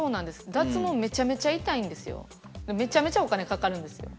脱毛めちゃめちゃ痛いんですよ。でめちゃめちゃお金かかるんですよ。